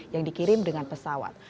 yang dikirim dengan pesawat